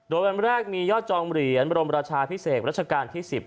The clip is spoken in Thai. โดยวันแรกมียอดจองเหรียญบรมราชาพิเศษรัชกาลที่๑๐